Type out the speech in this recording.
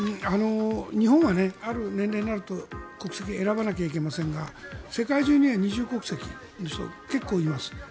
日本はある年齢になると国籍を選ばないといけませんが世界中には二重国籍の人結構います。